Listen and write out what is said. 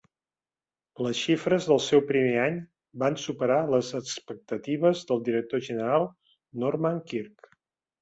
Les xifres del seu primer any van superar les expectatives del director general Norman Quirk.